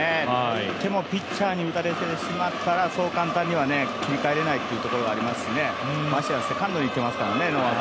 いってもピッチャーに打たれてしまったら、そう簡単には切り替えれないっていうところはありますし、ましてやセカンドに行ってますからね。